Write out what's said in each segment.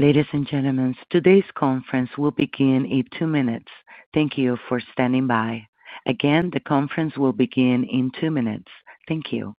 Ladies and gentlemen, today's conference will begin in two minutes. Thank you for standing by. Again, the conference will begin in two minutes. Thank you.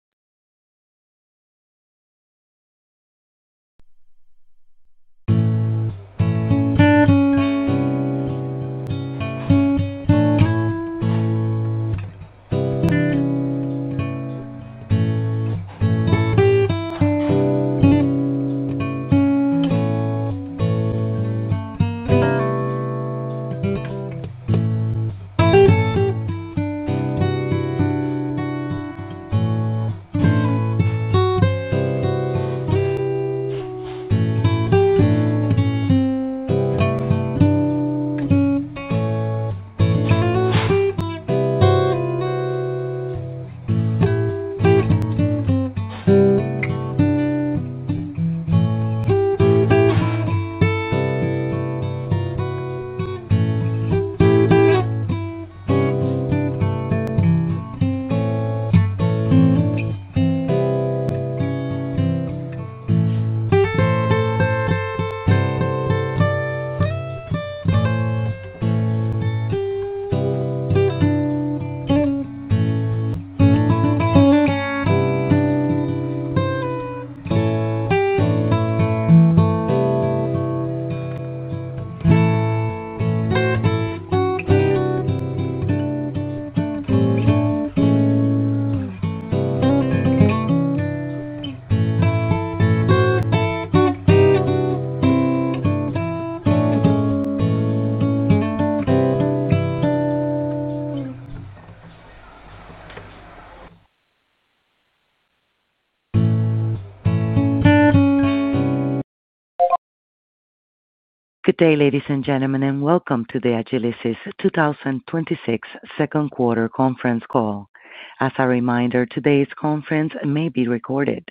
Good day, ladies and gentlemen, and welcome to the Agilysys 2026 second quarter conference call. As a reminder, today's conference may be recorded.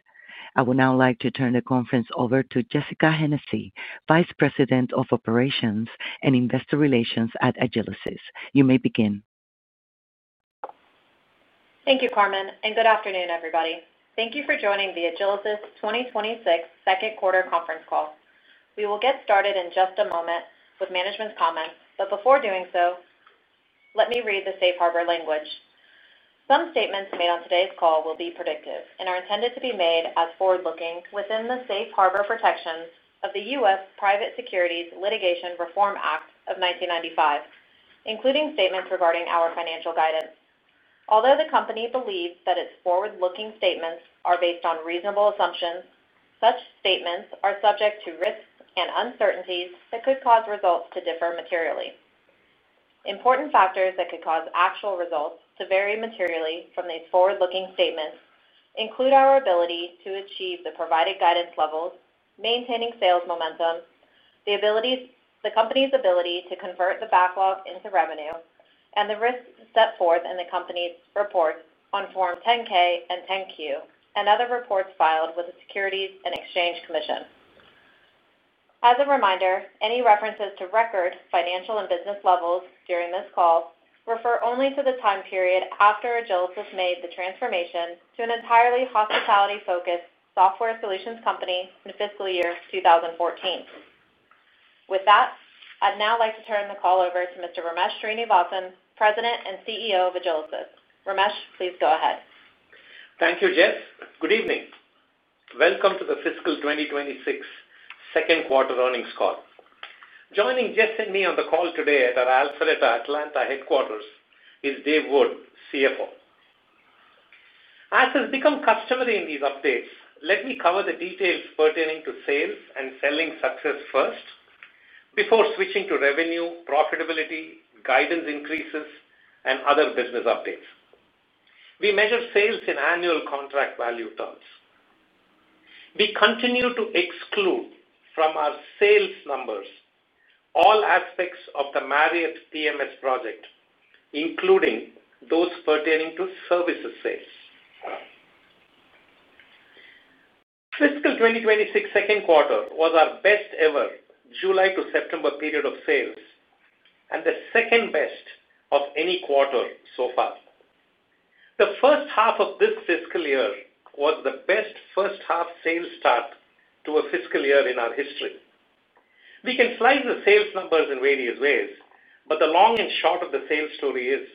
I would now like to turn the conference over to Jessica Hennessy, Vice President of Operations and Investor Relations at Agilysys. You may begin. Thank you, Carmen, and good afternoon, everybody. Thank you for joining the Agilysys 2026 second quarter conference call. We will get started in just a moment with management's comments, but before doing so, let me read the safe harbor language. Some statements made on today's call will be predictive and are intended to be made as forward-looking within the Safe Harbor protections of the U.S. Private Securities Litigation Reform Act of 1995, including statements regarding our financial guidance. Although the company believes that its forward-looking statements are based on reasonable assumptions, such statements are subject to risks and uncertainties that could cause results to differ materially. Important factors that could cause actual results to vary materially from these forward-looking statements include our ability to achieve the provided guidance levels, maintaining sales momentum, the company's ability to convert the backlog into revenue, and the risks set forth in the company's reports on Form 10-K and 10-Q, and other reports filed with the Securities and Exchange Commission. As a reminder, any references to record financial and business levels during this call refer only to the time period after Agilysys made the transformation to an entirely hospitality-focused software solutions company in the fiscal year 2014. With that, I'd now like to turn the call over to Mr. Ramesh Srinivasan, President and CEO of Agilysys. Ramesh, please go ahead. Thank you, Jess. Good evening. Welcome to the fiscal 2026 second quarter earnings call. Joining Jess and me on the call today at our Alpharetta, Atlanta headquarters is Dave Wood, CFO. As has become customary in these updates, let me cover the details pertaining to sales and selling success first before switching to revenue, profitability, guidance increases, and other business updates. We measure sales in annual contract value terms. We continue to exclude from our sales numbers all aspects of the Marriott PMS project, including those pertaining to services sales. Fiscal 2026 second quarter was our best ever July to September period of sales and the second best of any quarter so far. The first half of this fiscal year was the best first-half sales start to a fiscal year in our history. We can slice the sales numbers in various ways, but the long and short of the sales story is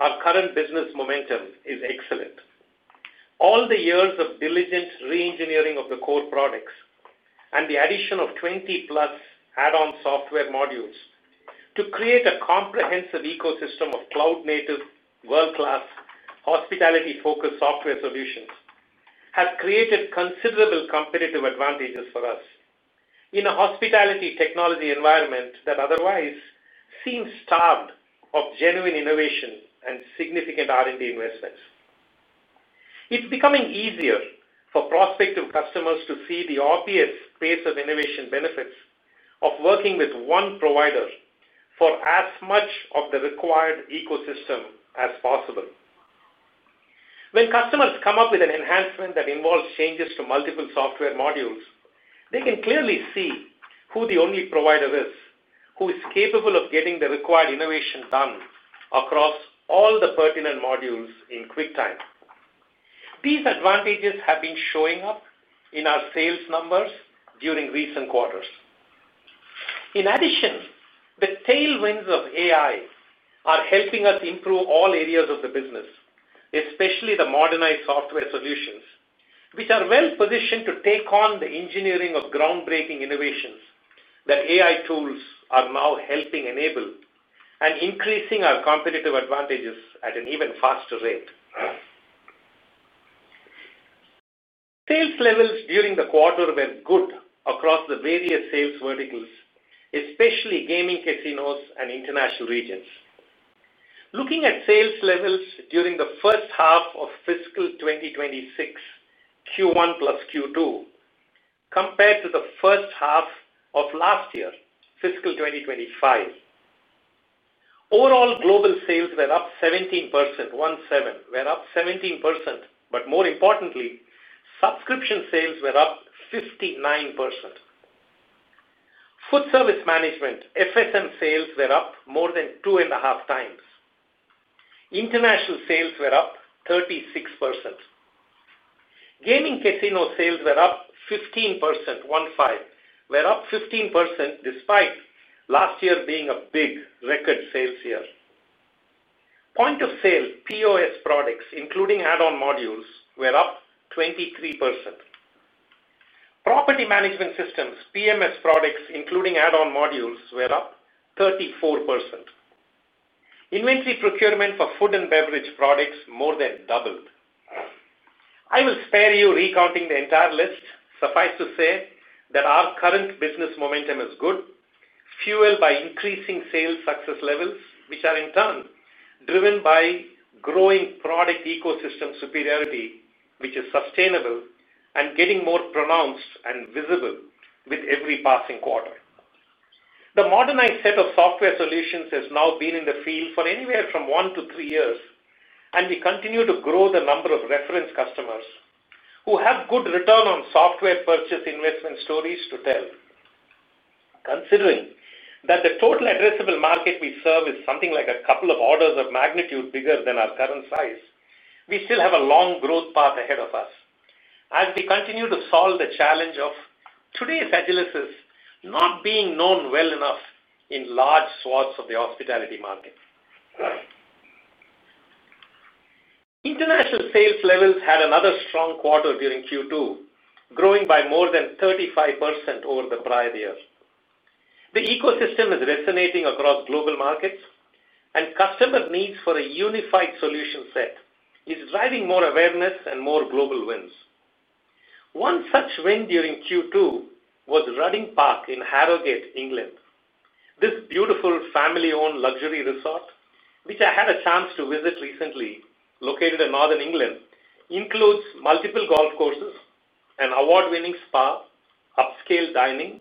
our current business momentum is excellent. All the years of diligent re-engineering of the core products and the addition of 20+ add-on software modules to create a comprehensive ecosystem of cloud-native world-class hospitality-focused software solutions have created considerable competitive advantages for us in a hospitality technology environment that otherwise seems starved of genuine innovation and significant R&D investments. It's becoming easier for prospective customers to see the obvious pace of innovation benefits of working with one provider for as much of the required ecosystem as possible. When customers come up with an enhancement that involves changes to multiple software modules, they can clearly see who the only provider is who is capable of getting the required innovation done across all the pertinent modules in quick time. These advantages have been showing up in our sales numbers during recent quarters. In addition, the tailwinds of AI are helping us improve all areas of the business, especially the modernized software solutions, which are well-positioned to take on the engineering of groundbreaking innovations that AI tools are now helping enable and increasing our competitive advantages at an even faster rate. Sales levels during the quarter were good across the various sales verticals, especially gaming casinos and international regions. Looking at sales levels during the first half of fiscal 2026 Q1 plus Q2 compared to the first half of last year, fiscal 2025, overall global sales were up 17% one seven were up 17%, but more importantly, subscription sales were up 59%. Food service management, FSM sales were up more than 2.5x. International sales were up 36%. Gaming casino sales were up 15% one five were up 15% despite last year being a big record sales year. Point of sale, POS products, including add-on modules, were up 23%. Property management systems, PMS products, including add-on modules, were up 34%. Inventory procurement for food and beverage products more than doubled. I will spare you recounting the entire list. Suffice to say that our current business momentum is good, fueled by increasing sales success levels, which are in turn driven by growing product ecosystem superiority, which is sustainable and getting more pronounced and visible with every passing quarter. The modernized set of software solutions has now been in the field for anywhere from one to three years, and we continue to grow the number of reference customers who have good return on software purchase investment stories to tell. Considering that the total addressable market we serve is something like a couple of orders of magnitude bigger than our current size, we still have a long growth path ahead of us as we continue to solve the challenge of today's Agilysys not being known well enough in large swaths of the hospitality market. International sales levels had another strong quarter during Q2, growing by more than 35% over the prior year. The ecosystem is resonating across global markets, and customer needs for a unified solution set is driving more awareness and more global wins. One such win during Q2 was Rudding Park in Harrogate, England. This beautiful family-owned luxury resort, which I had a chance to visit recently, located in northern England, includes multiple golf courses, an award-winning spa, upscale dining,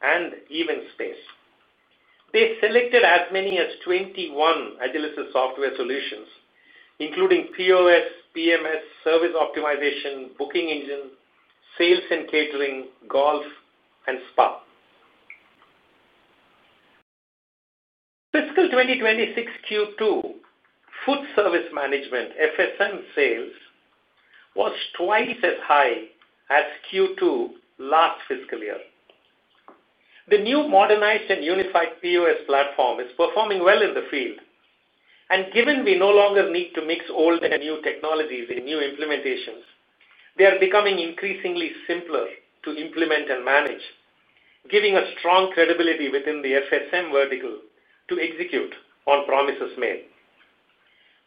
and event space. They selected as many as 21 Agilysys software solutions, including POS, PMS, service optimization, booking engine, sales and catering, golf, and spa. Fiscal 2026 Q2 food service management, FSM sales was twice as high as Q2 last fiscal year. The new modernized and unified POS platform is performing well in the field. Given we no longer need to mix old and new technologies in new implementations, they are becoming increasingly simpler to implement and manage, giving a strong credibility within the FSM vertical to execute on promises made.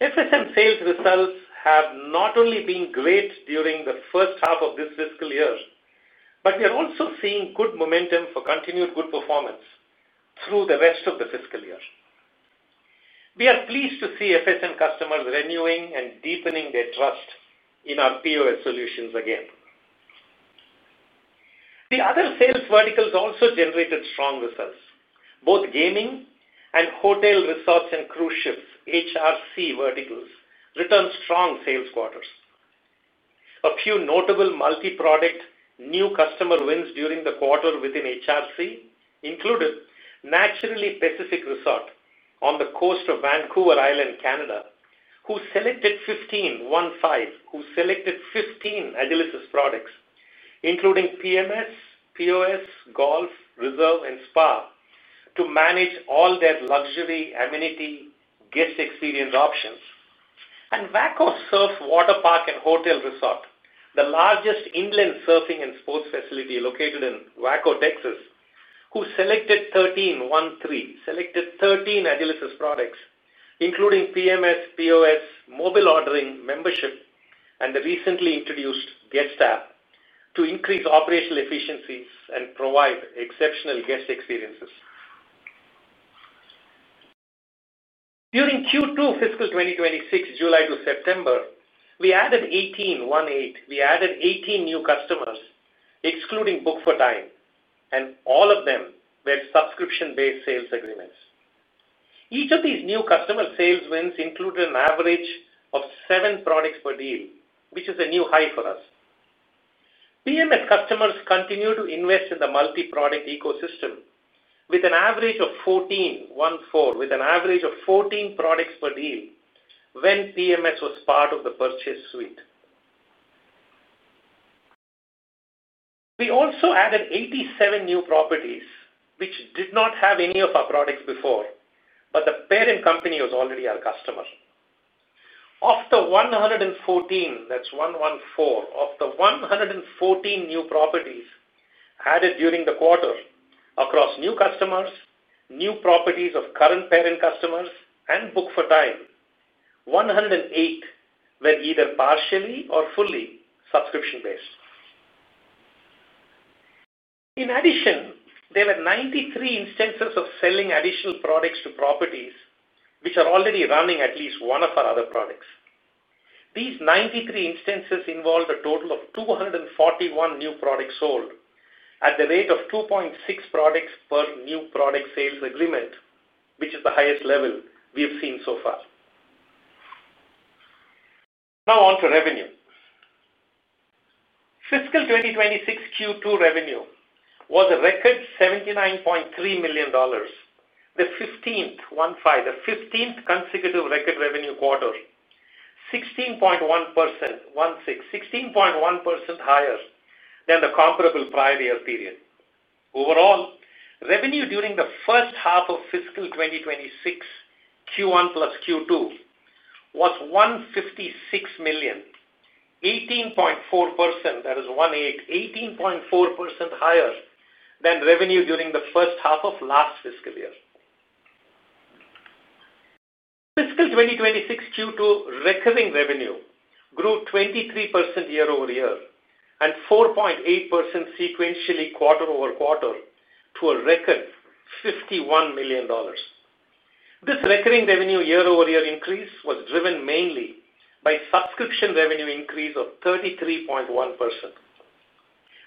FSM sales results have not only been great during the first half of this fiscal year, but we are also seeing good momentum for continued good performance through the rest of the fiscal year. We are pleased to see FSM customers renewing and deepening their trust in our POS solutions again. The other sales verticals also generated strong results. Both gaming and hotel resorts and cruise ships, HRC verticals, returned strong sales quarters. A few notable multi-product new customer wins during the quarter within HRC included Naturally Pacific Resort on the coast of Vancouver Island, Canada, who selected 15 Agilysys products, including PMS, POS, golf, reserve, and spa, to manage all their luxury amenity guest experience options. Waco Surf Waterpark and Hotel Resort, the largest inland surfing and sports facility located in Waco, Texas, selected 13 Agilysys products, including PMS, POS, mobile ordering, membership, and the recently introduced guest app to increase operational efficiencies and provide exceptional guest experiences. During Q2 fiscal 2026, July to September, we added 18 new customers, excluding book for time, and all of them were subscription-based sales agreements. Each of these new customer sales wins included an average of seven products per deal, which is a new high for us. PMS customers continue to invest in the multi-product ecosystem with an average of 14 products per deal when PMS was part of the purchase suite. We also added 87 new properties, which did not have any of our products before, but the parent company was already our customer. Of the 114 new properties added during the quarter across new customers, new properties of current parent customers, and book for time, 108 were either partially or fully subscription-based. In addition, there were 93 instances of selling additional products to properties which are already running at least one of our other products. These 93 instances involved a total of 241 new products sold at the rate of 2.6 products per new product sales agreement, which is the highest level we have seen so far. Now on to revenue. Fiscal 2026 Q2 revenue was a record $79.3 million, the 15th consecutive record revenue quarter, 16.1% higher than the comparable prior year period. Overall, revenue during the first half of fiscal 2026, Q1 plus Q2, was $156 million, 18.4% higher than revenue during the first half of last fiscal year. Fiscal 2026 Q2 recurring revenue grew 23% year-over-year and 4.8% sequentially quarter-over-quarter to a record $51 million. This recurring revenue year-over-year increase was driven mainly by subscription revenue increase of 33.1%.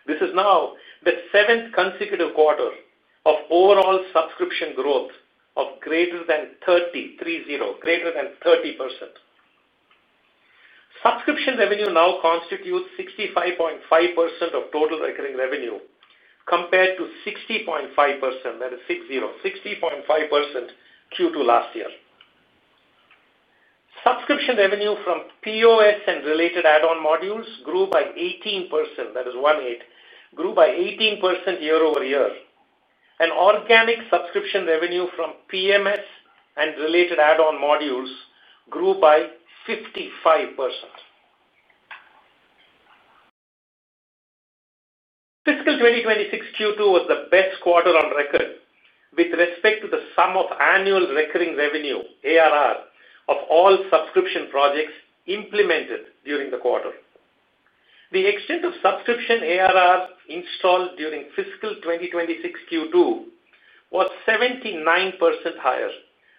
This is now the seventh consecutive quarter of overall subscription growth of greater than 30%. Subscription revenue now constitutes 65.5% of total recurring revenue compared to 60.5% Q2 last year. Subscription revenue from POS and related add-on modules grew by 18% year-over-year, and organic subscription revenue from PMS and related add-on modules grew by 55%. Fiscal 2026 Q2 was the best quarter on record with respect to the sum of annual recurring revenue, ARR, of all subscription projects implemented during the quarter. The extent of subscription ARR installed during fiscal 2026 Q2 was 79% higher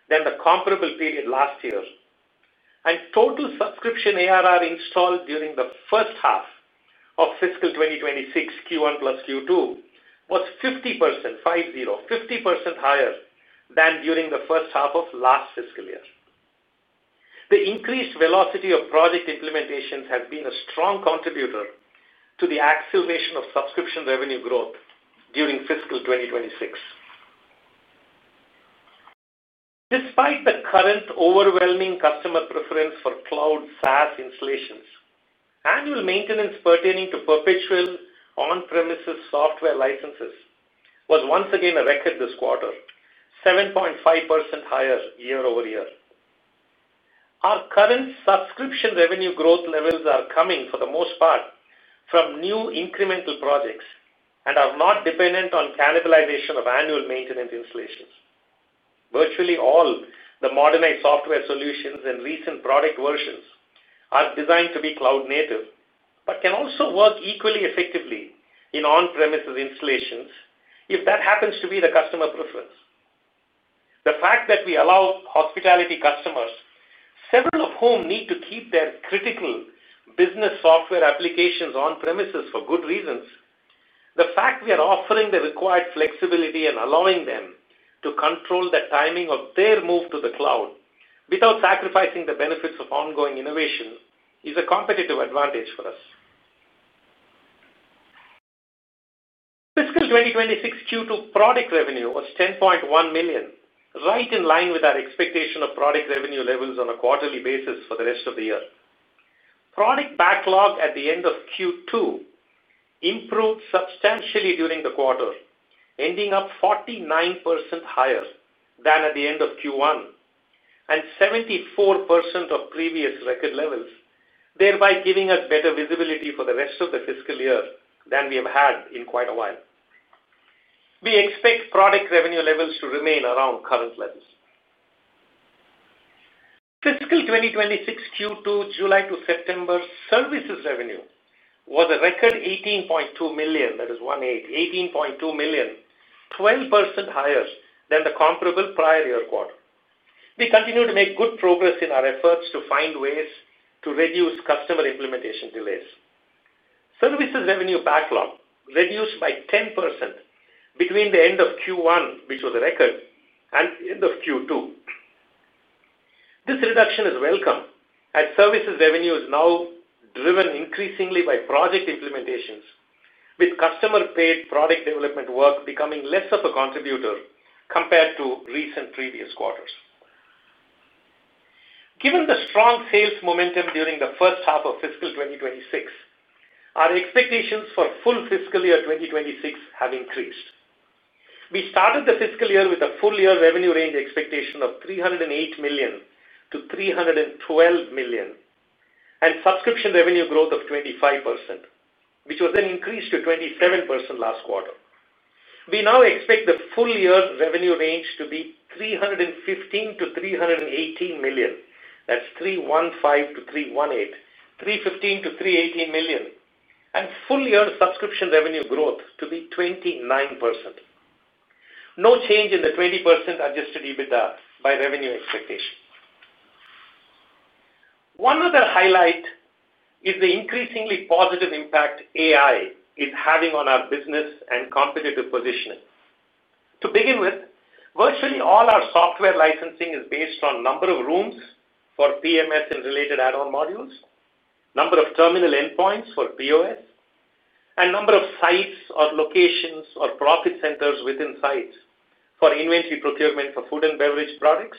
than the comparable period last year, and total subscription ARR installed during the first half of fiscal 2026 Q1 plus Q2 was 50% higher than during the first half of last fiscal year. The increased velocity of project implementations has been a strong contributor to the acceleration of subscription revenue growth during fiscal 2026. Despite the current overwhelming customer preference for cloud SaaS installations, annual maintenance pertaining to perpetual on-premises software licenses was once again a record this quarter, 7.5% higher year-over-year. Our current subscription revenue growth levels are coming, for the most part, from new incremental projects and are not dependent on cannibalization of annual maintenance installations. Virtually all the modernized software solutions and recent product versions are designed to be cloud-native but can also work equally effectively in on-premises installations if that happens to be the customer preference. The fact that we allow hospitality customers, several of whom need to keep their critical business software applications on-premises for good reasons, the fact we are offering the required flexibility and allowing them to control the timing of their move to the cloud without sacrificing the benefits of ongoing innovation is a competitive advantage for us. Fiscal 2026 Q2 product revenue was $10.1 million, right in line with our expectation of product revenue levels on a quarterly basis for the rest of the year. Product backlog at the end of Q2 improved substantially during the quarter, ending up 49% higher than at the end of Q1 and 74% of previous record levels, thereby giving us better visibility for the rest of the fiscal year than we have had in quite a while. We expect product revenue levels to remain around current levels. Fiscal 2026 Q2 July to September services revenue was a record $18.2 million, that is one eight, $18.2 million, 12% higher than the comparable prior year quarter. We continue to make good progress in our efforts to find ways to reduce customer implementation delays. Services revenue backlog reduced by 10% between the end of Q1, which was a record, and end of Q2. This reduction is welcome as services revenue is now driven increasingly by project implementations, with customer-paid product development work becoming less of a contributor compared to recent previous quarters. Given the strong sales momentum during the first half of fiscal 2026, our expectations for full fiscal year 2026 have increased. We started the fiscal year with a full-year revenue range expectation of $308 million-$312 million and subscription revenue growth of 25%, which was then increased to 27% last quarter. We now expect the full-year revenue range to be $315 million-$318 million, that's three one five to three one eight, $315 million-$318 million, and full-year subscription revenue growth to be 29%. No change in the 20% adjusted EBITDA by revenue expectation. One other highlight is the increasingly positive impact AI is having on our business and competitive positioning. To begin with, virtually all our software licensing is based on the number of rooms for PMS and related add-on modules, number of terminal endpoints for POS, and number of sites or locations or profit centers within sites for inventory procurement for food and beverage products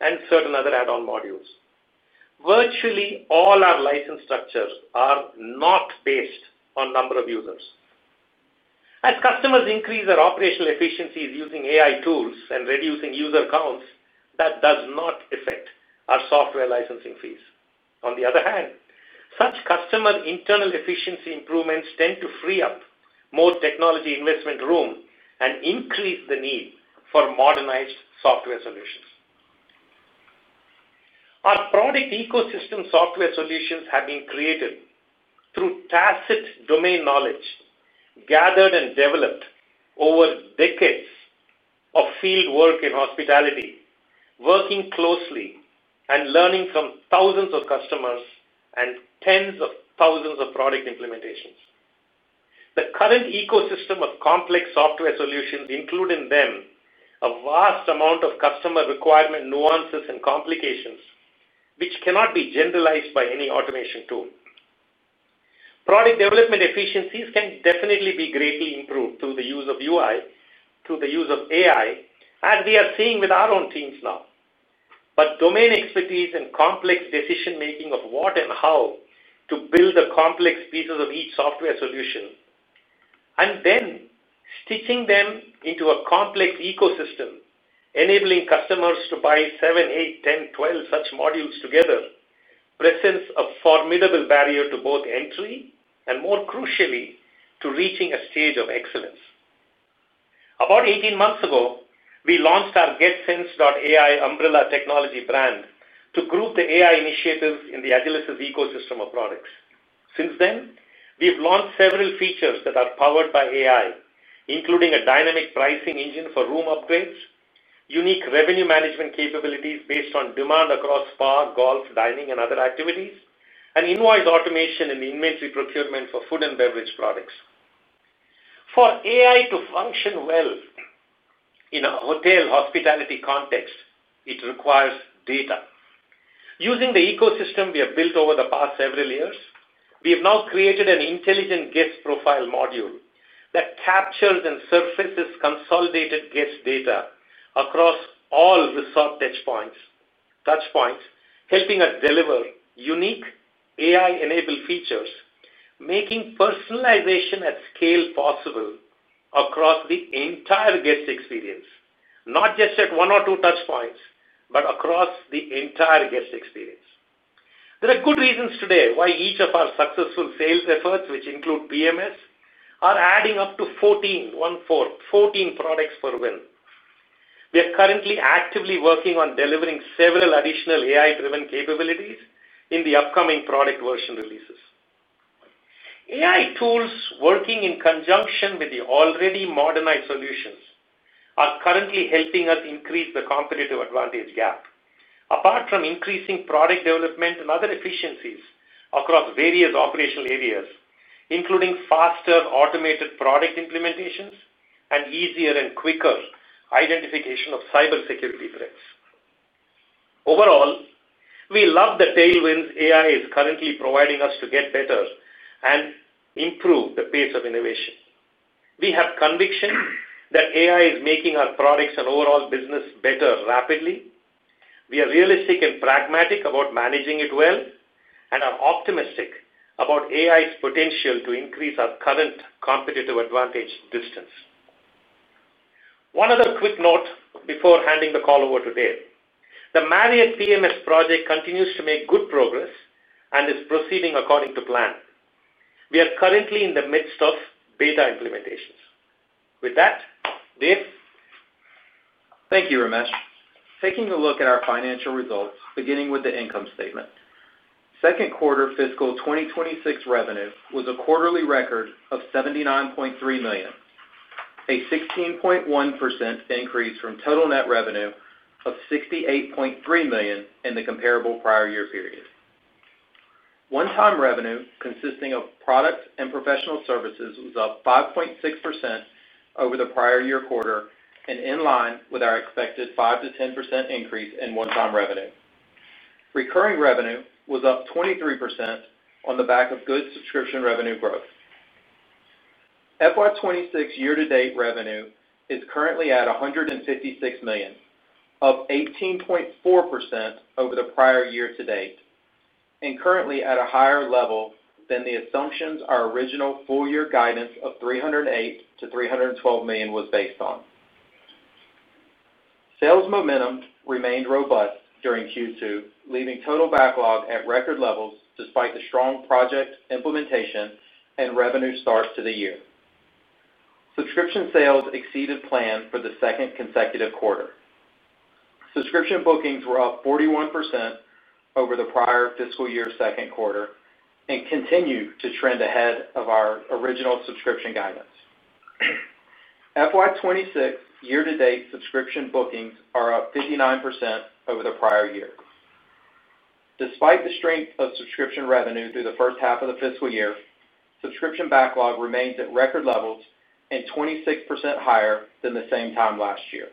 and certain other add-on modules. Virtually all our license structures are not based on the number of users. As customers increase their operational efficiencies using AI tools and reducing user counts, that does not affect our software licensing fees. On the other hand, such customer internal efficiency improvements tend to free up more technology investment room and increase the need for modernized software solutions. Our product ecosystem software solutions have been created through tacit domain knowledge gathered and developed over decades of field work in hospitality, working closely and learning from thousands of customers and tens of thousands of product implementations. The current ecosystem of complex software solutions includes in them a vast amount of customer requirement nuances and complications, which cannot be generalized by any automation tool. Product development efficiencies can definitely be greatly improved through the use of UI, through the use of AI, as we are seeing with our own teams now. Domain expertise and complex decision-making of what and how to build the complex pieces of each software solution and then stitching them into a complex ecosystem, enabling customers to buy seven, eight, 10, 12 such modules together, presents a formidable barrier to both entry and, more crucially, to reaching a stage of excellence. About 18 months ago, we launched our guestsense.ai umbrella technology brand to group the AI initiatives in the Agilysys ecosystem of products. Since then, we've launched several features that are powered by AI, including a dynamic pricing engine for room upgrades, unique revenue management capabilities based on demand across spa, golf, dining, and other activities, and invoice automation in the inventory procurement for food and beverage products. For AI to function well in a hotel hospitality context, it requires data. Using the ecosystem we have built over the past several years, we have now created an intelligent guest profile module that captures and surfaces consolidated guest data across all resort touchpoints, helping us deliver unique AI-enabled features, making personalization at scale possible across the entire guest experience, not just at one or two touchpoints, but across the entire guest experience. There are good reasons today why each of our successful sales efforts, which include PMS, are adding up to 14, one four, 14 products per win. We are currently actively working on delivering several additional AI-driven capabilities in the upcoming product version releases. AI tools working in conjunction with the already modernized solutions are currently helping us increase the competitive advantage gap, apart from increasing product development and other efficiencies across various operational areas, including faster automated product implementations and easier and quicker identification of cybersecurity threats. Overall, we love the tailwinds AI is currently providing us to get better and improve the pace of innovation. We have conviction that AI is making our products and overall business better rapidly. We are realistic and pragmatic about managing it well and are optimistic about AI's potential to increase our current competitive advantage distance. One other quick note before handing the call over to Dave. The Marriott PMS project continues to make good progress and is proceeding according to plan. We are currently in the midst of beta implementations. With that, Dave. Thank you, Ramesh. Taking a look at our financial results, beginning with the income statement, second quarter fiscal 2026 revenue was a quarterly record of $79.3 million, a 16.1% increase from total net revenue of $68.3 million in the comparable prior year period. One-time revenue consisting of products and professional services was up 5.6% over the prior year quarter and in line with our expected 5% to 10% increase in one-time revenue. Recurring revenue was up 23% on the back of good subscription revenue growth. Fiscal year 2026 year-to-date revenue is currently at $156 million, up 18.4% over the prior year to date, and currently at a higher level than the assumptions our original full-year guidance of $308 million to $312 million was based on. Sales momentum remained robust during Q2, leaving total backlog at record levels despite the strong project implementation and revenue start to the year. Subscription sales exceeded plan for the second consecutive quarter. Subscription bookings were up 41% over the prior fiscal year second quarter and continue to trend ahead of our original subscription guidance. Fiscal year 2026 year-to-date subscription bookings are up 59% over the prior year. Despite the strength of subscription revenue through the first half of the fiscal year, subscription backlog remains at record levels and 26% higher than the same time last year.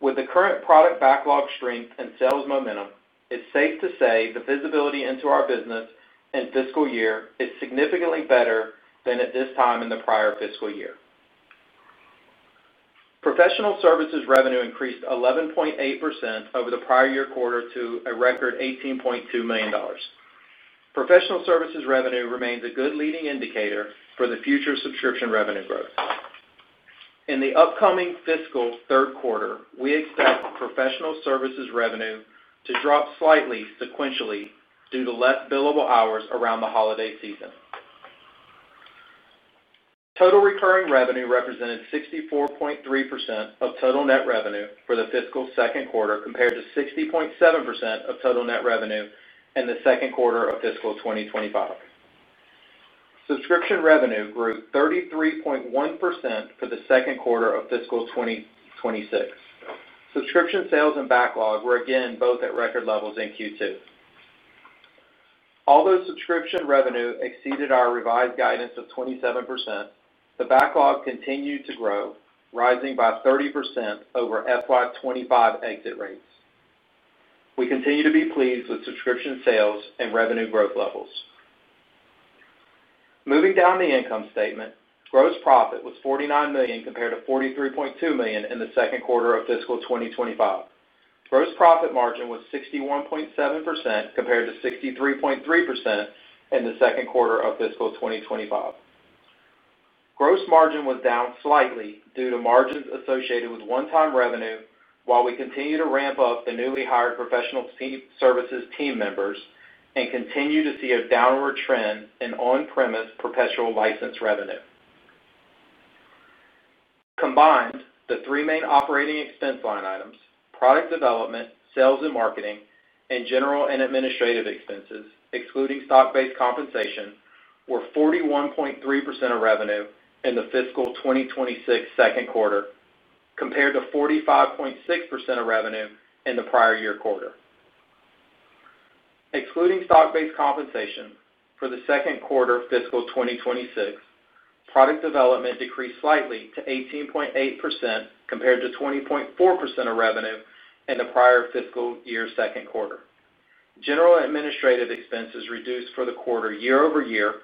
With the current product backlog strength and sales momentum, it's safe to say the visibility into our business and fiscal year is significantly better than at this time in the prior fiscal year. Professional services revenue increased 11.8% over the prior year quarter to a record $18.2 million. Professional services revenue remains a good leading indicator for the future subscription revenue growth. In the upcoming fiscal third quarter, we expect professional services revenue to drop slightly sequentially due to less billable hours around the holiday season. Total recurring revenue represented 64.3% of total net revenue for the fiscal second quarter compared to 60.7% of total net revenue in the second quarter of fiscal 2025. Subscription revenue grew 33.1% for the second quarter of fiscal 2026. Subscription sales and backlog were again both at record levels in Q2. Although subscription revenue exceeded our revised guidance of 27%, the backlog continued to grow, rising by 30% over fiscal year 2025 exit rates. We continue to be pleased with subscription sales and revenue growth levels. Moving down the income statement, gross profit was $49 million compared to $43.2 million in the second quarter of fiscal 2025. Gross profit margin was 61.7% compared to 63.3% in the second quarter of fiscal 2025. Gross margin was down slightly due to margins associated with one-time revenue, while we continue to ramp up the newly hired professional services team members and continue to see a downward trend in on-premise perpetual license revenue. Combined, the three main operating expense line items, product development, sales and marketing, and general and administrative expenses, excluding stock-based compensation, were 41.3% of revenue in the fiscal 2026 second quarter compared to 45.6% of revenue in the prior year quarter. Excluding stock-based compensation for the second quarter fiscal 2026, product development decreased slightly to 18.8% compared to 20.4% of revenue in the prior fiscal year second quarter. General and administrative expenses reduced for the quarter year-over-year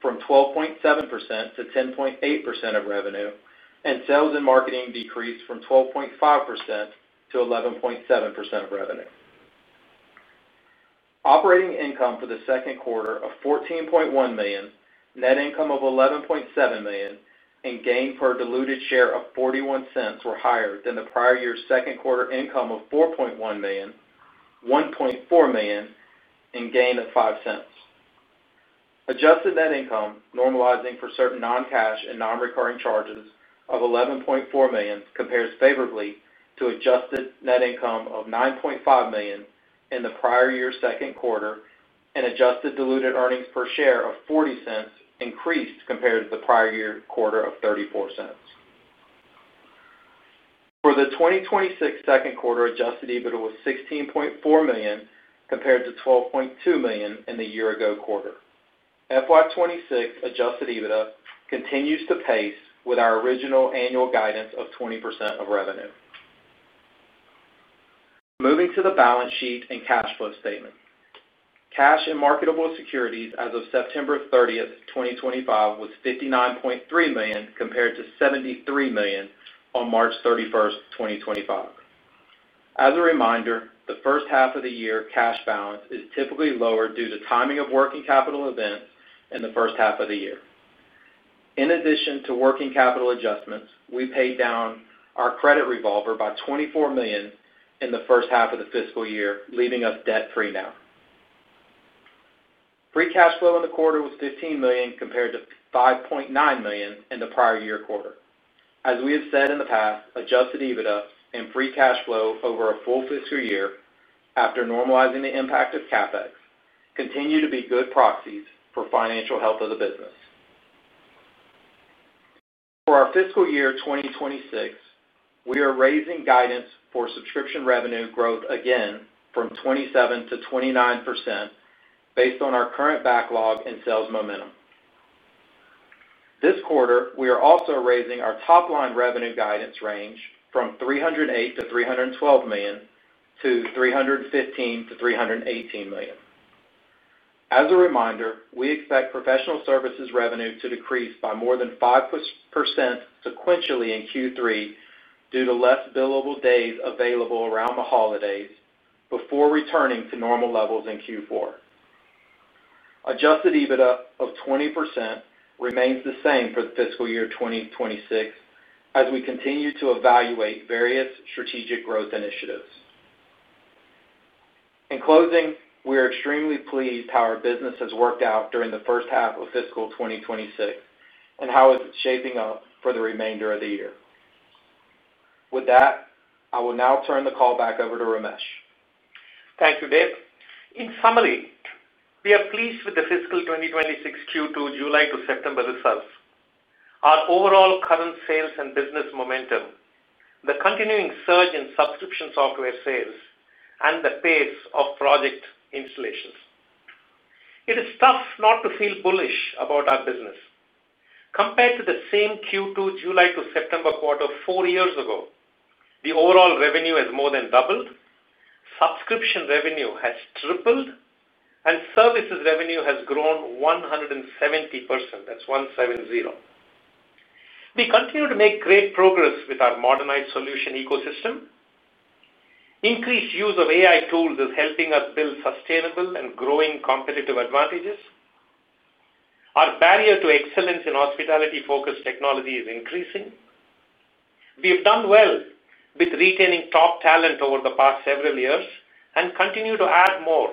from 12.7% to 10.8% of revenue, and sales and marketing decreased from 12.5% to 11.7% of revenue. Operating income for the second quarter of $14.1 million, net income of $11.7 million, and gain per diluted share of $0.41 were higher than the prior year's second quarter income of $4.1 million, $1.4 million, and gain of $0.05. Adjusted net income, normalizing for certain non-cash and non-recurring charges, of $11.4 million compares favorably to adjusted net income of $9.5 million in the prior year's second quarter, and adjusted diluted earnings per share of $0.40 increased compared to the prior year quarter of $0.34. For the 2026 second quarter, adjusted EBITDA was $16.4 million compared to $12.2 million in the year-ago quarter. FY 2026 adjusted EBITDA continues to pace with our original annual guidance of 20% of revenue. Moving to the balance sheet and cash flow statement. Cash and marketable securities as of September 30th, 2025 was $59.3 million compared to $73 million on March 31st, 2025. As a reminder, the first half of the year cash balance is typically lower due to timing of working capital events in the first half of the year. In addition to working capital adjustments, we paid down our credit revolver by $24 million in the first half of the fiscal year, leaving us debt-free now. Free cash flow in the quarter was $15 million compared to $5.9 million in the prior year quarter. As we have said in the past, adjusted EBITDA and free cash flow over a full fiscal year after normalizing the impact of CapEx continue to be good proxies for financial health of the business. For our fiscal year 2026, we are raising guidance for subscription revenue growth again from 27% to 29% based on our current backlog and sales momentum. This quarter, we are also raising our top-line revenue guidance range from $308 million to $312 million to $315 million to $318 million. As a reminder, we expect professional services revenue to decrease by more than 5% sequentially in Q3 due to less billable days available around the holidays before returning to normal levels in Q4. Adjusted EBITDA of 20% remains the same for the fiscal year 2026 as we continue to evaluate various strategic growth initiatives. In closing, we are extremely pleased how our business has worked out during the first half of fiscal 2026 and how it's shaping up for the remainder of the year. With that, I will now turn the call back over to Ramesh. Thank you, Dave. In summary, we are pleased with the fiscal 2026 Q2 July to September results, our overall current sales and business momentum, the continuing surge in subscription software sales, and the pace of project installations. It is tough not to feel bullish about our business. Compared to the same Q2 July to September quarter four years ago, the overall revenue has more than doubled, subscription revenue has tripled, and services revenue has grown 170%. That's one, seven, zero. We continue to make great progress with our modernized solution ecosystem. Increased use of AI tools is helping us build sustainable and growing competitive advantages. Our barrier to excellence in hospitality-focused technology is increasing. We have done well with retaining top talent over the past several years and continue to add more,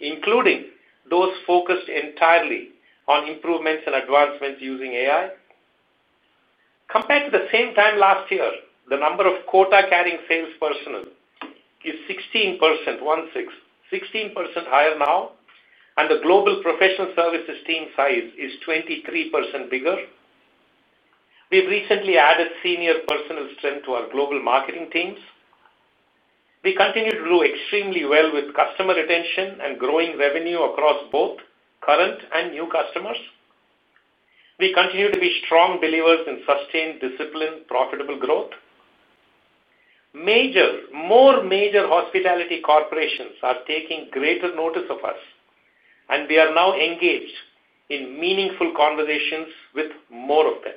including those focused entirely on improvements and advancements using AI. Compared to the same time last year, the number of quota-carrying sales personnel is 16% higher now, and the global professional services team size is 23% bigger. We've recently added senior personnel strength to our global marketing teams. We continue to do extremely well with customer retention and growing revenue across both current and new customers. We continue to be strong believers in sustained discipline, profitable growth. More major hospitality corporations are taking greater notice of us, and we are now engaged in meaningful conversations with more of them.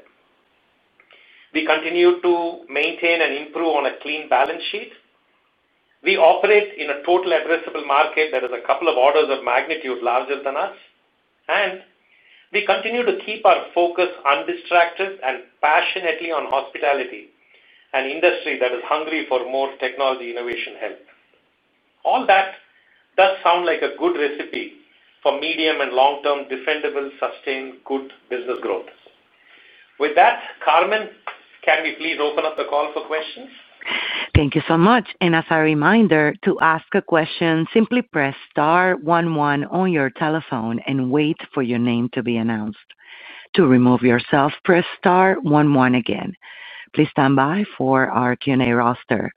We continue to maintain and improve on a clean balance sheet. We operate in a total addressable market that is a couple of orders of magnitude larger than us, and we continue to keep our focus undistracted and passionately on hospitality, an industry that is hungry for more technology innovation help. All that does sound like a good recipe for medium and long-term defendable, sustained, good business growth. With that, Carmen, can we please open up the call for questions? Thank you so much. As a reminder, to ask a question, simply press star one one on your telephone and wait for your name to be announced. To remove yourself, press star one one again. Please stand by for our Q&A roster.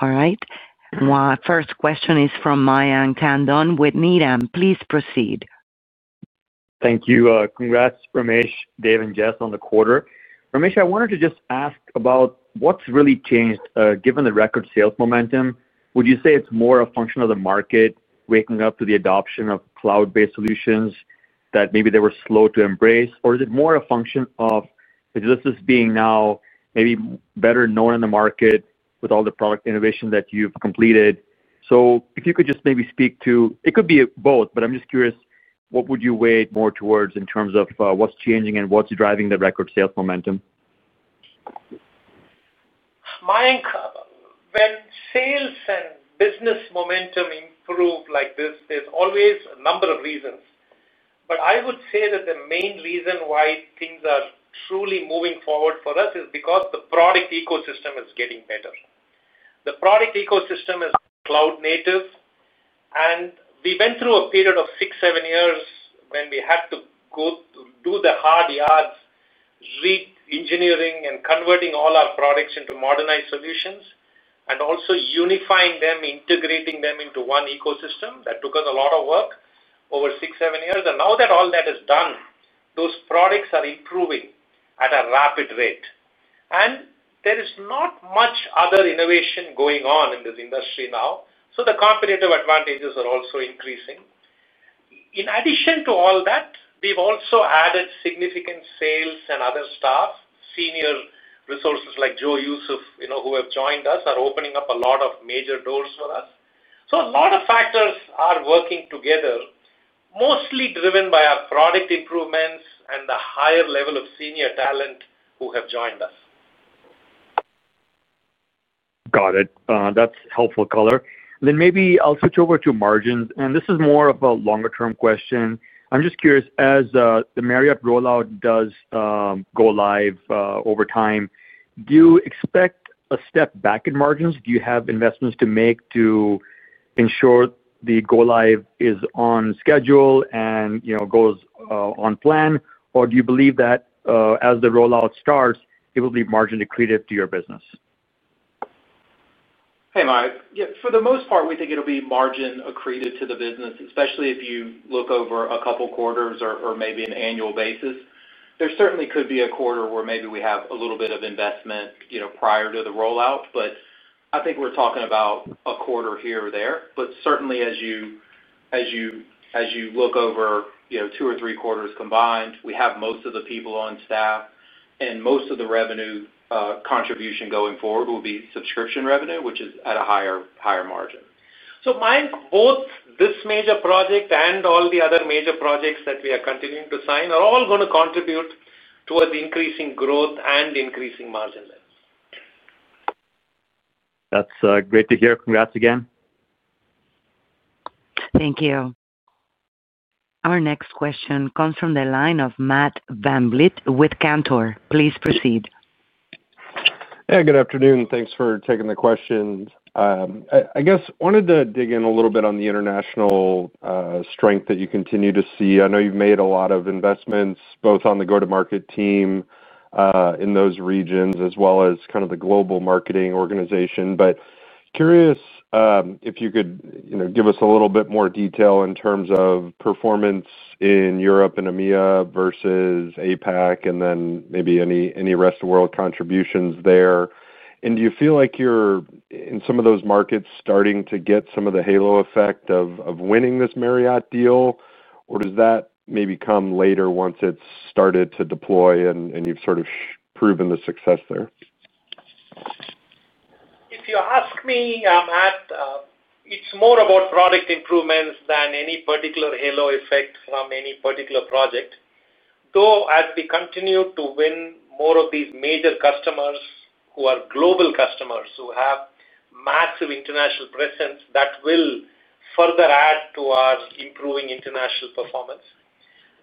All right. Our first question is from Mayank Tandon with Needham. Please proceed. Thank you. Congrats, Ramesh, Dave, and Jess on the quarter. Ramesh, I wanted to just ask about what's really changed given the record sales momentum. Would you say it's more a function of the market waking up to the adoption of cloud-based solutions that maybe they were slow to embrace, or is it more a function of Agilysys being now maybe better known in the market with all the product innovation that you've completed? If you could just maybe speak to, it could be both, but I'm just curious, what would you weigh more towards in terms of what's changing and what's driving the record sales momentum? Mayank, when sales and business momentum improve like this, there's always a number of reasons. I would say that the main reason why things are truly moving forward for us is because the product ecosystem is getting better. The product ecosystem is cloud-native, and we went through a period of six or seven years when we had to go do the hard yards, re-engineering and converting all our products into modernized solutions, and also unifying them, integrating them into one ecosystem. That took us a lot of work over six or seven years. Now that all that is done, those products are improving at a rapid rate. There is not much other innovation going on in this industry now, so the competitive advantages are also increasing. In addition to all that, we've also added significant sales and other staff. Senior resources like Joe Youssef, who have joined us, are opening up a lot of major doors for us. A lot of factors are working together, mostly driven by our product improvements and the higher level of senior talent who have joined us. Got it. That's helpful color. Maybe I'll switch over to margins, and this is more of a longer-term question. I'm just curious, as the Marriott rollout does go live over time, do you expect a step back in margins? Do you have investments to make to ensure the go live is on schedule and goes on plan, or do you believe that as the rollout starts, it will be margin accretive to your business? Hey, Mayank. Yeah, for the most part, we think it'll be margin accretive to the business, especially if you look over a couple of quarters or maybe an annual basis. There certainly could be a quarter where maybe we have a little bit of investment prior to the rollout. I think we're talking about a quarter here or there. Certainly, as you look over two or three quarters combined, we have most of the people on staff, and most of the revenue contribution going forward will be subscription revenue, which is at a higher margin. Mayank, both this major project and all the other major projects that we are continuing to sign are all going to contribute towards increasing growth and increasing margins. That's great to hear. Congrats again. Thank you. Our next question comes from the line of Matt VanVliet with Cantor. Please proceed. Yeah, good afternoon. Thanks for taking the questions. I guess I wanted to dig in a little bit on the international strength that you continue to see. I know you've made a lot of investments both on the go-to-market team in those regions as well as the global marketing organization. Curious if you could give us a little bit more detail in terms of performance in Europe and EMEA versus APAC and then maybe any rest of the world contributions there. Do you feel like you're in some of those markets starting to get some of the halo effect of winning this Marriott deal, or does that maybe come later once it's started to deploy and you've sort of proven the success there? If you ask me, Matt, it's more about product improvements than any particular halo effect from any particular project. Though as we continue to win more of these major customers who are global customers who have massive international presence, that will further add to our improving international performance.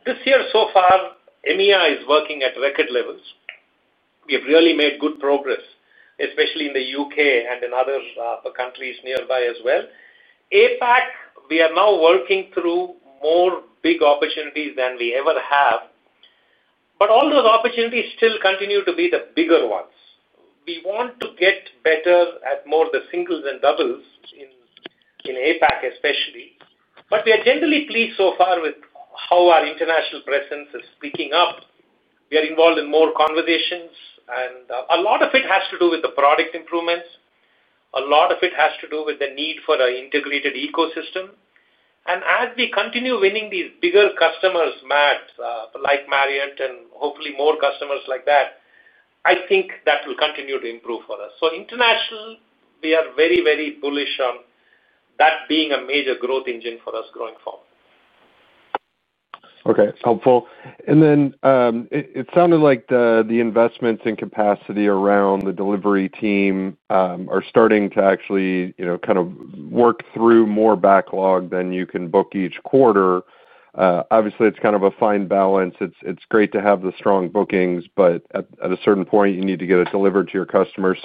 This year so far, EMEA is working at record levels. We have really made good progress, especially in the U.K. and in other countries nearby as well. APAC, we are now working through more big opportunities than we ever have, but all those opportunities still continue to be the bigger ones. We want to get better at more of the singles and doubles in APAC especially, but we are generally pleased so far with how our international presence is picking up. We are involved in more conversations, and a lot of it has to do with the product improvements. A lot of it has to do with the need for an integrated ecosystem. As we continue winning these bigger customers, Matt, like Marriott and hopefully more customers like that, I think that will continue to improve for us. International, we are very, very bullish on that being a major growth engine for us growing forward. Okay, helpful. It sounded like the investments in capacity around the delivery team are starting to actually kind of work through more backlog than you can book each quarter. Obviously, it's kind of a fine balance. It's great to have the strong bookings, but at a certain point, you need to get it delivered to your customers.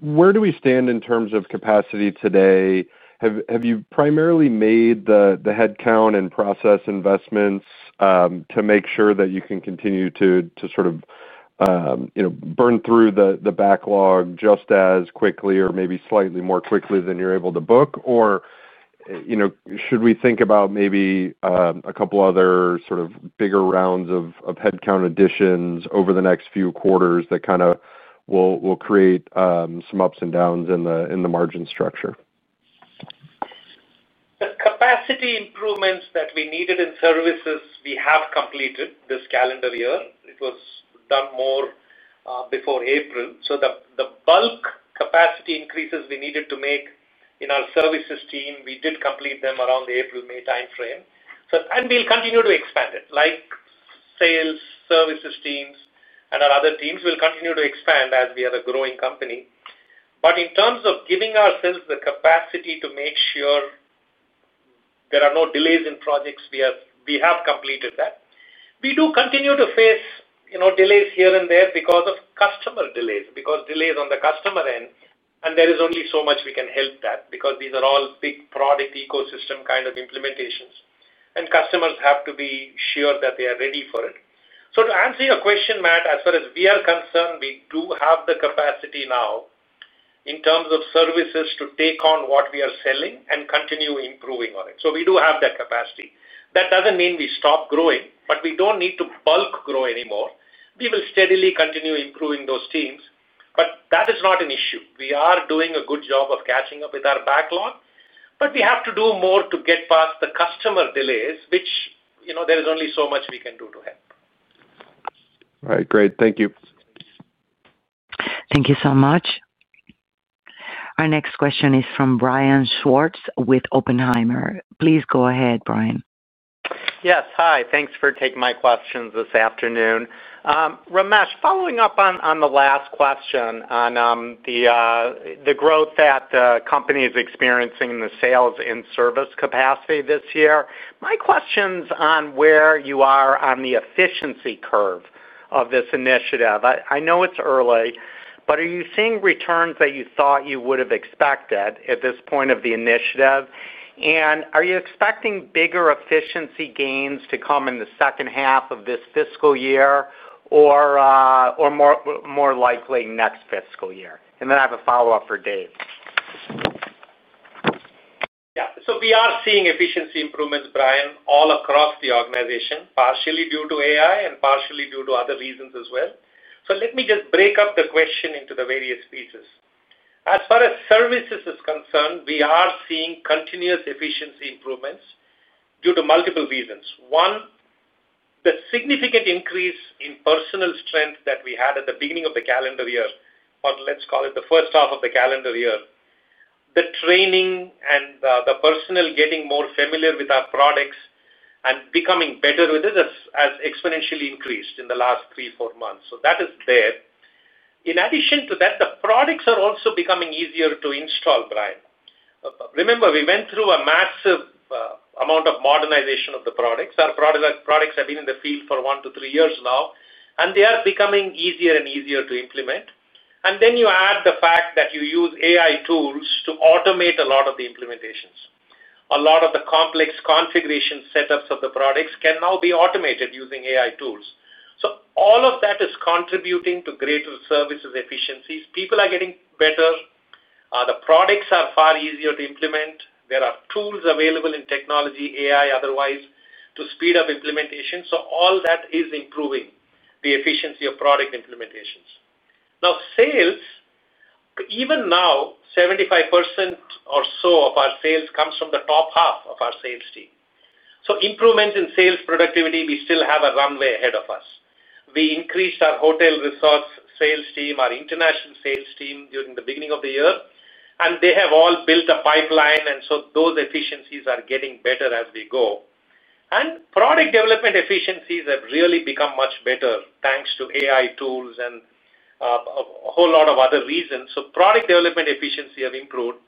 Where do we stand in terms of capacity today? Have you primarily made the headcount and process investments to make sure that you can continue to sort of burn through the backlog just as quickly or maybe slightly more quickly than you're able to book? Should we think about maybe a couple of other sort of bigger rounds of headcount additions over the next few quarters that kind of will create some ups and downs in the margin structure? The capacity improvements that we needed in services, we have completed this calendar year. It was done more before April. The bulk capacity increases we needed to make in our services team, we did complete them around the April-May timeframe. We'll continue to expand it, like sales, services teams, and our other teams will continue to expand as we are a growing company. In terms of giving ourselves the capacity to make sure there are no delays in projects, we have completed that. We do continue to face delays here and there because of customer delays, because delays on the customer end, and there is only so much we can help that because these are all big product ecosystem kind of implementations, and customers have to be sure that they are ready for it. To answer your question, Matt, as far as we are concerned, we do have the capacity now in terms of services to take on what we are selling and continue improving on it. We do have that capacity. That doesn't mean we stop growing, but we don't need to bulk grow anymore. We will steadily continue improving those teams, but that is not an issue. We are doing a good job of catching up with our backlog, but we have to do more to get past the customer delays, which there is only so much we can do to help. All right. Great. Thank you. Thank you so much. Our next question is from Brian Schwartz with Oppenheimer. Please go ahead, Brian. Yes. Hi. Thanks for taking my questions this afternoon. Ramesh, following up on the last question on the growth that the company is experiencing in the sales and service capacity this year, my question is on where you are on the efficiency curve of this initiative. I know it's early, but are you seeing returns that you thought you would have expected at this point of the initiative? Are you expecting bigger efficiency gains to come in the second half of this fiscal year or more likely next fiscal year? I have a follow-up for Dave. Yeah. We are seeing efficiency improvements, Brian, all across the organization, partially due to AI and partially due to other reasons as well. Let me just break up the question into the various pieces. As far as services are concerned, we are seeing continuous efficiency improvements due to multiple reasons. One, the significant increase in personnel strength that we had at the beginning of the calendar year, or let's call it the first half of the calendar year, the training and the personnel getting more familiar with our products and becoming better with it has exponentially increased in the last three, four months. That is there. In addition to that, the products are also becoming easier to install, Brian. Remember, we went through a massive amount of modernization of the products. Our products have been in the field for one to three years now, and they are becoming easier and easier to implement. You add the fact that you use AI tools to automate a lot of the implementations. A lot of the complex configuration setups of the products can now be automated using AI tools. All of that is contributing to greater services efficiencies. People are getting better. The products are far easier to implement. There are tools available in technology, AI otherwise, to speed up implementation. All that is improving the efficiency of product implementations. Now, sales, even now, 75% or so of our sales comes from the top half of our sales team. Improvements in sales productivity, we still have a runway ahead of us. We increased our hotel resource sales team, our international sales team during the beginning of the year, and they have all built a pipeline. Those efficiencies are getting better as we go. Product development efficiencies have really become much better thanks to AI tools and a whole lot of other reasons. Product development efficiency has improved.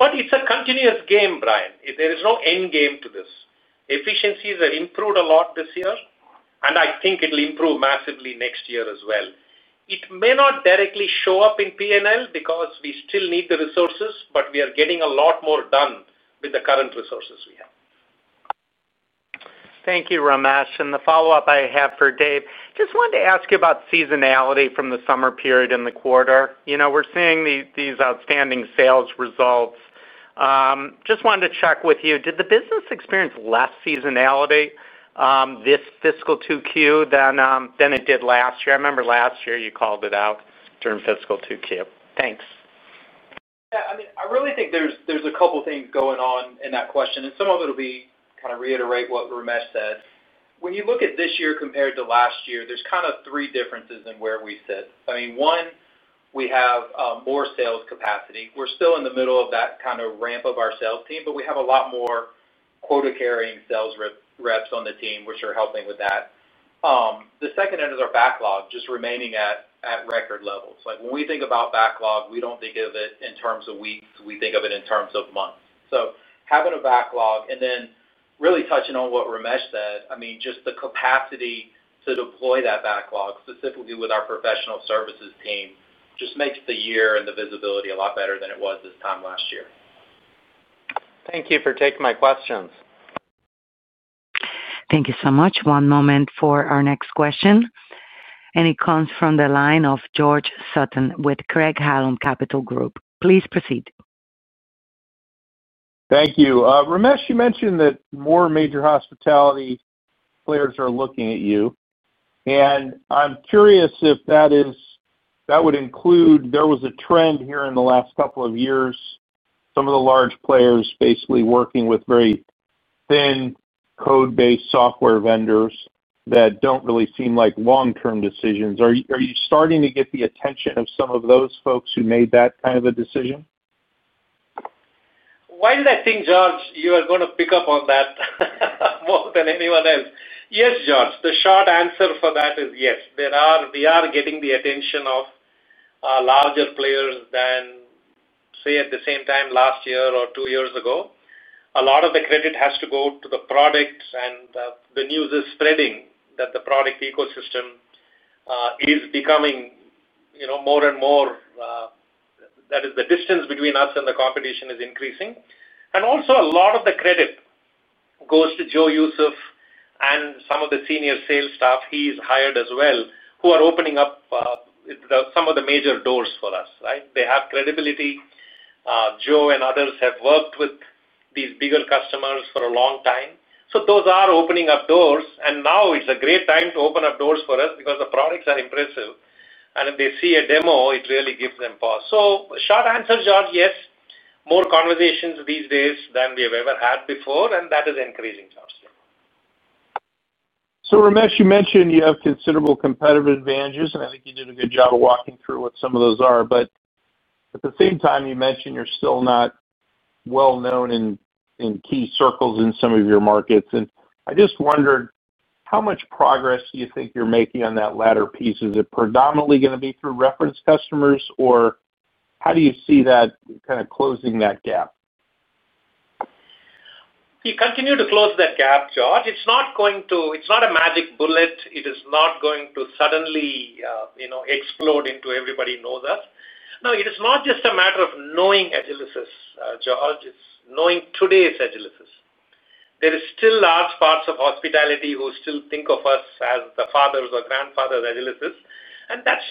It's a continuous game, Brian. There is no end game to this. Efficiencies have improved a lot this year, and I think it'll improve massively next year as well. It may not directly show up in P&L because we still need the resources, but we are getting a lot more done with the current resources we have. Thank you, Ramesh. The follow-up I have for Dave, just wanted to ask you about seasonality from the summer period in the quarter. You know we're seeing these outstanding sales results. Just wanted to check with you, did the business experience less seasonality this fiscal Q2 than it did last year? I remember last year you called it out during fiscal Q2. Thanks. Yeah. I mean, I really think there's a couple of things going on in that question, and some of it will be kind of reiterate what Ramesh said. When you look at this year compared to last year, there's kind of three differences in where we sit. I mean, one, we have more sales capacity. We're still in the middle of that kind of ramp of our sales team, but we have a lot more quota-carrying sales reps on the team, which are helping with that. The second is our backlog just remaining at record levels. Like when we think about backlog, we don't think of it in terms of weeks. We think of it in terms of months. Having a backlog and then really touching on what Ramesh said, I mean, just the capacity to deploy that backlog specifically with our professional services team just makes the year and the visibility a lot better than it was this time last year. Thank you for taking my questions. Thank you so much. One moment for our next question. It comes from the line of George Sutton with Craig-Hallum Capital Group. Please proceed. Thank you. Ramesh, you mentioned that more major hospitality players are looking at you. I'm curious if that would include, there was a trend here in the last couple of years, some of the large players basically working with very thin code-based software vendors that don't really seem like long-term decisions. Are you starting to get the attention of some of those folks who made that kind of a decision? I think, George, you are going to pick up on that more than anyone else. Yes, George. The short answer for that is yes. We are getting the attention of larger players than, say, at the same time last year or two years ago. A lot of the credit has to go to the product, and the news is spreading that the product ecosystem is becoming more and more, that is, the distance between us and the competition is increasing. Also, a lot of the credit goes to Joe Youssef and some of the senior sales staff he's hired as well, who are opening up some of the major doors for us, right? They have credibility. Joe and others have worked with these bigger customers for a long time. Those are opening up doors. Now it's a great time to open up doors for us because the products are impressive. If they see a demo, it really gives them pause. Short answer, George, yes, more conversations these days than we have ever had before, and that is increasing, George. Ramesh, you mentioned you have considerable competitive advantages, and I think you did a good job of walking through what some of those are. At the same time, you mentioned you're still not well-known in key circles in some of your markets. I just wondered, how much progress do you think you're making on that latter piece? Is it predominantly going to be through reference customers, or how do you see that kind of closing that gap? We continue to close that gap, George. It's not going to, it's not a magic bullet. It is not going to suddenly explode into everybody knows us. Now, it is not just a matter of knowing Agilysys, George. It's knowing today's Agilysys. There are still large parts of hospitality who still think of us as the fathers or grandfathers of Agilysys. That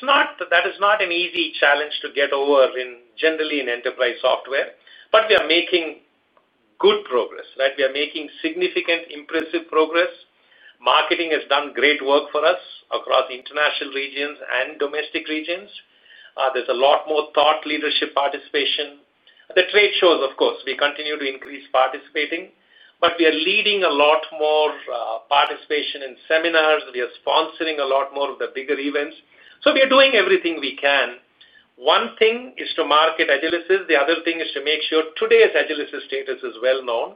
is not an easy challenge to get over generally in enterprise software. We are making good progress, right? We are making significant, impressive progress. Marketing has done great work for us across international regions and domestic regions. There's a lot more thought leadership participation. The trade shows, of course, we continue to increase participating, but we are leading a lot more participation in seminars. We are sponsoring a lot more of the bigger events. We are doing everything we can. One thing is to market Agilysys. The other thing is to make sure today's Agilysys status is well known.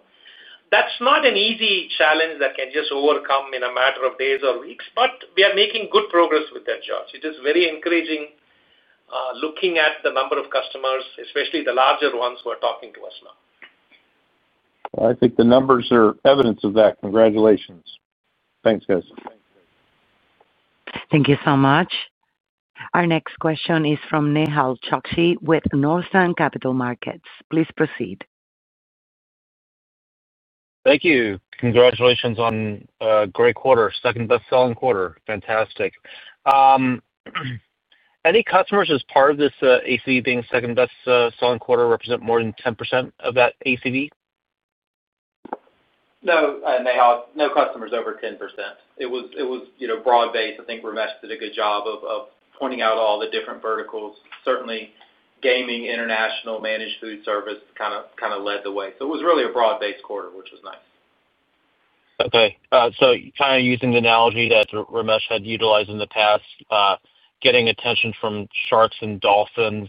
That's not an easy challenge that can just overcome in a matter of days or weeks, but we are making good progress with that, George. It is very encouraging looking at the number of customers, especially the larger ones who are talking to us now. I think the numbers are evidence of that. Congratulations. Thanks, guys. Thank you so much. Our next question is from Nehal Chokshi with Northland Capital Markets. Please proceed. Thank you. Congratulations on a great quarter, second best-selling quarter. Fantastic. Any customers as part of this ACV being second best-selling quarter represent more than 10% of that ACV? No, Nehal, no customers over 10%. It was broad-based. I think Ramesh did a good job of pointing out all the different verticals. Certainly, gaming, international, managed food service kind of led the way. It was really a broad-based quarter, which was nice. Okay. Using the analogy that Ramesh had utilized in the past, getting attention from sharks and dolphins,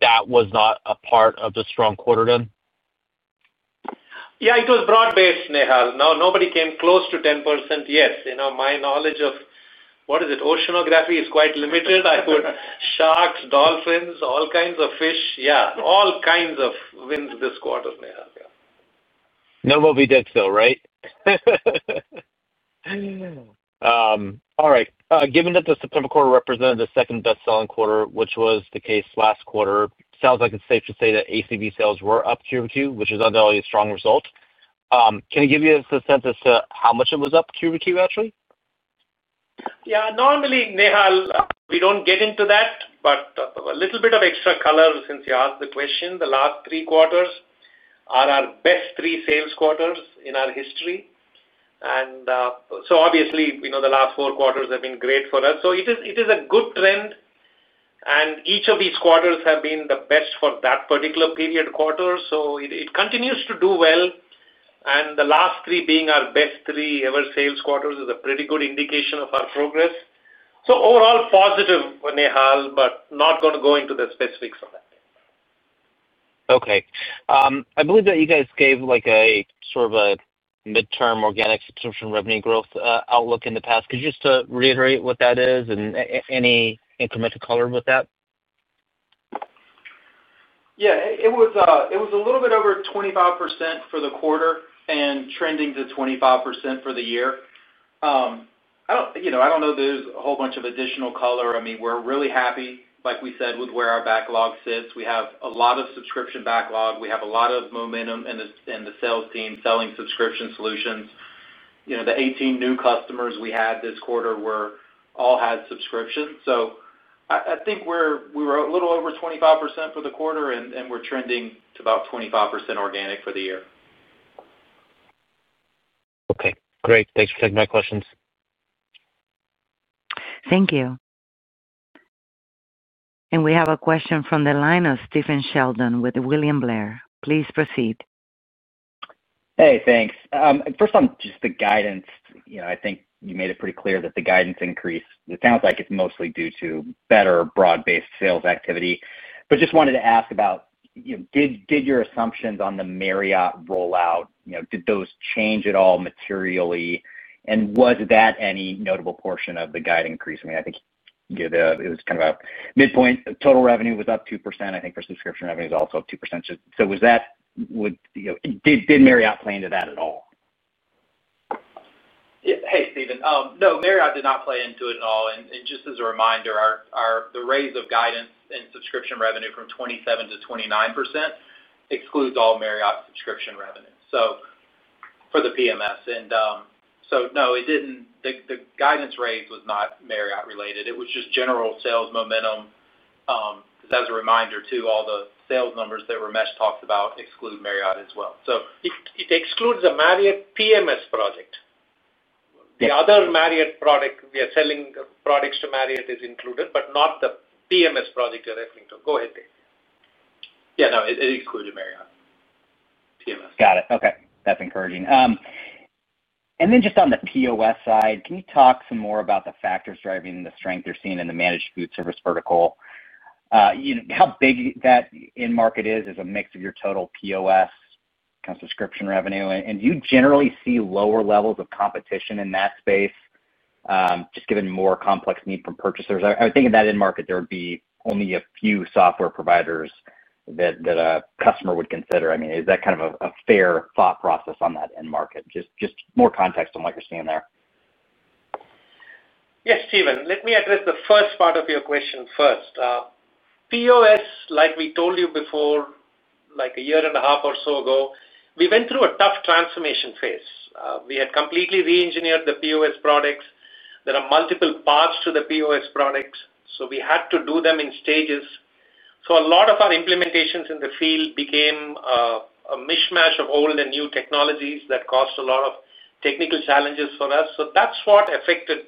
that was not a part of the strong quarter then? Yeah, it was broad-based, Nehal. No, nobody came close to 10% yet. You know, my knowledge of, what is it, oceanography is quite limited. I put sharks, dolphins, all kinds of fish, yeah, all kinds of wins this quarter, Nehal. Given that the September quarter represented the second best-selling quarter, which was the case last quarter, it sounds like it's safe to say that ACV sales were up Q2, which is undoubtedly a strong result. Can you give us a sense as to how much it was up Q2, actually? Yeah. Normally, Nehal, we don't get into that, but a little bit of extra color since you asked the question. The last three quarters are our best three sales quarters in our history. Obviously, you know the last four quarters have been great for us. It is a good trend. Each of these quarters have been the best for that particular period quarter. It continues to do well. The last three being our best three ever sales quarters is a pretty good indication of our progress. Overall positive, Nehal, but not going to go into the specifics of that. Okay. I believe that you guys gave like a sort of a midterm organic subscription revenue growth outlook in the past. Could you just reiterate what that is and any incremental color with that? Yeah. It was a little bit over 25% for the quarter and trending to 25% for the year. I don't know if there's a whole bunch of additional color. We're really happy, like we said, with where our backlog sits. We have a lot of subscription backlog. We have a lot of momentum in the sales team selling subscription solutions. The 18 new customers we had this quarter all had subscriptions. I think we were a little over 25% for the quarter, and we're trending to about 25% organic for the year. Okay. Great. Thanks for taking my questions. Thank you. We have a question from the line of Stephen Sheldon with William Blair. Please proceed. Hey, thanks. First on just the guidance. I think you made it pretty clear that the guidance increase, it sounds like it's mostly due to better broad-based sales activity. I just wanted to ask about, did your assumptions on the Marriott rollout, did those change at all materially? Was that any notable portion of the guidance increase? I think it was kind of a midpoint. Total revenue was up 2%. I think the subscription revenue is also up 2%. Was that, did Marriott play into that at all? Yeah. Hey, Stephen. No, Marriott did not play into it at all. Just as a reminder, the raise of guidance and subscription revenue from 27% to 29% excludes all Marriott subscription revenue for the PMS. No, it didn't. The guidance raise was not Marriott-related. It was just general sales momentum because, as a reminder too, all the sales numbers that Ramesh talks about exclude Marriott as well. It excludes the Marriott PMS project. The other Marriott product we are selling products to Marriott is included, but not the PMS project you're referring to. Go ahead, Dave. Yeah, no, it excluded Marriott. PMS. Got it. Okay. That's encouraging. On the POS side, can you talk some more about the factors driving the strength you're seeing in the managed food service vertical? You know, how big that end market is? Is it a mix of your total POS, kind of subscription revenue? Do you generally see lower levels of competition in that space, just given more complex need from purchasers? I would think in that end market, there would be only a few software providers that a customer would consider. Is that kind of a fair thought process on that end market? Just more context on what you're seeing there. Yes, Stephen. Let me address the first part of your question first. POS, like we told you before, like a year and a half or so ago, we went through a tough transformation phase. We had completely re-engineered the POS products. There are multiple parts to the POS products, so we had to do them in stages. A lot of our implementations in the field became a mishmash of old and new technologies that caused a lot of technical challenges for us. That’s what affected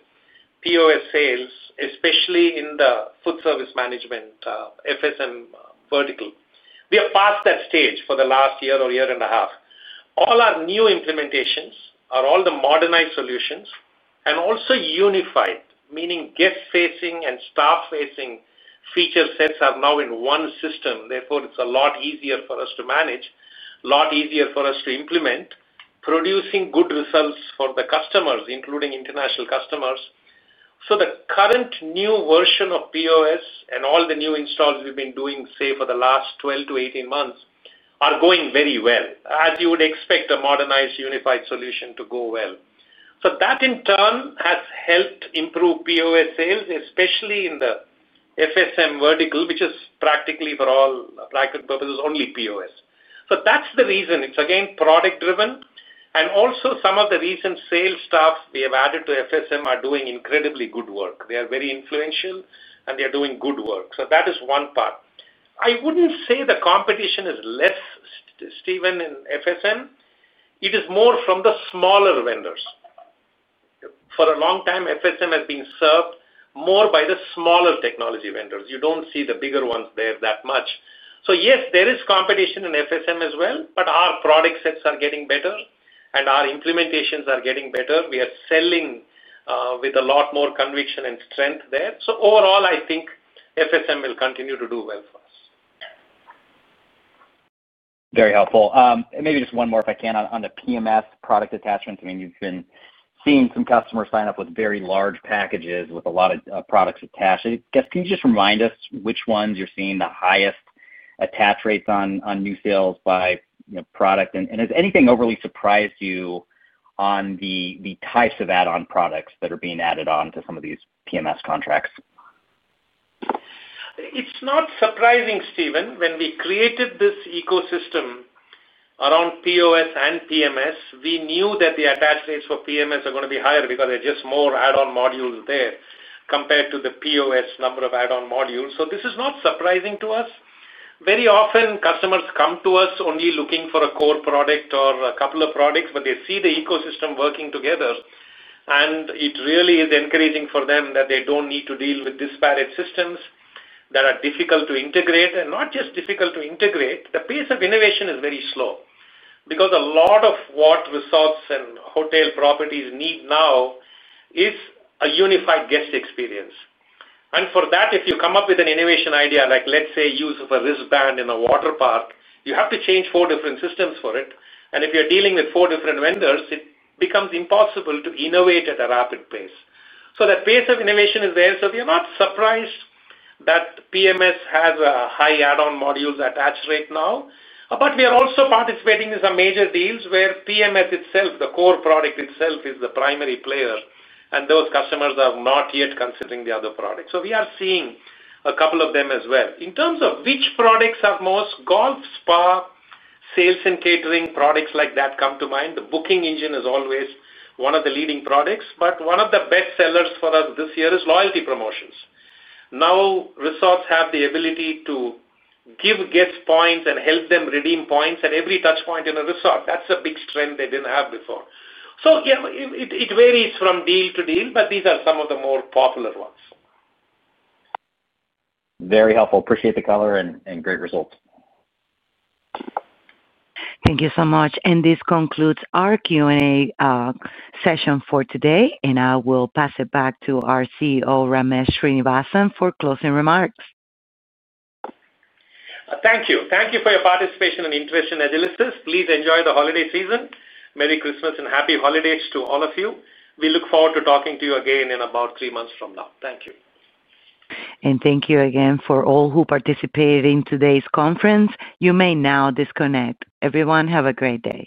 POS sales, especially in the food service management FSM vertical. We are past that stage for the last year or year and a half. All our new implementations are all the modernized solutions and also unified, meaning guest-facing and staff-facing feature sets are now in one system. Therefore, it’s a lot easier for us to manage, a lot easier for us to implement, producing good results for the customers, including international customers. The current new version of POS and all the new installs we’ve been doing, say, for the last 12 to 18 months, are going very well, as you would expect a modernized, unified solution to go well. That in turn has helped improve POS sales, especially in the FSM vertical, which is practically for all record purposes only POS. That’s the reason. It’s, again, product-driven. Also, some of the recent sales staff we have added to FSM are doing incredibly good work. They are very influential, and they are doing good work. That is one part. I wouldn’t say the competition is less, Stephen, in FSM. It is more from the smaller vendors. For a long time, FSM has been served more by the smaller technology vendors. You don’t see the bigger ones there that much. Yes, there is competition in FSM as well, but our product sets are getting better and our implementations are getting better. We are selling with a lot more conviction and strength there. Overall, I think FSM will continue to do well for us. Very helpful. Maybe just one more if I can on the PMS product attachments. I mean, you've been seeing some customers sign up with very large packages with a lot of products attached. I guess, can you just remind us which ones you're seeing the highest attach rates on new sales by product? Has anything overly surprised you on the types of add-on products that are being added on to some of these PMS contracts? It's not surprising, Stephen. When we created this ecosystem around POS and PMS, we knew that the attach rates for PMS are going to be higher because there are just more add-on modules there compared to the POS number of add-on modules. This is not surprising to us. Very often, customers come to us only looking for a core product or a couple of products, but they see the ecosystem working together. It really is encouraging for them that they don't need to deal with disparate systems that are difficult to integrate. Not just difficult to integrate, the pace of innovation is very slow because a lot of what resorts and hotel properties need now is a unified guest experience. For that, if you come up with an innovation idea, like let's say use of a wristband in a water park, you have to change four different systems for it. If you're dealing with four different vendors, it becomes impossible to innovate at a rapid pace. That pace of innovation is there. We are not surprised that PMS has a high add-on modules attached right now. We are also participating in some major deals where PMS itself, the core product itself, is the primary player, and those customers are not yet considering the other products. We are seeing a couple of them as well. In terms of which products are most, golf, spa, sales and catering, products like that come to mind. The booking engine is always one of the leading products. One of the best sellers for us this year is loyalty promotions. Now resorts have the ability to give guests points and help them redeem points at every touchpoint in a resort. That's a big strength they didn't have before. It varies from deal to deal, but these are some of the more popular ones. Very helpful. Appreciate the color and great results. Thank you so much. This concludes our Q&A session for today. I will pass it back to our CEO, Ramesh Srinivasan, for closing remarks. Thank you. Thank you for your participation and interest in Agilysys. Please enjoy the holiday season. Merry Christmas and happy holidays to all of you. We look forward to talking to you again in about three months from now. Thank you. Thank you again for all who participated in today's conference. You may now disconnect. Everyone, have a great day.